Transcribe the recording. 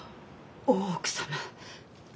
大奥様。